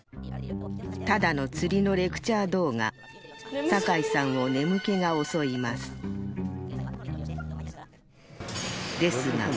ただの釣りのレクチャー動画酒井さんを眠気が襲いますですが